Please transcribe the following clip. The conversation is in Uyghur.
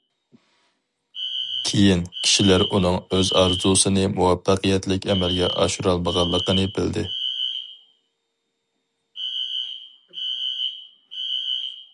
كېيىن كىشىلەر ئۇنىڭ ئۆز ئارزۇسىنى مۇۋەپپەقىيەتلىك ئەمەلگە ئاشۇرالمىغانلىقىنى بىلدى.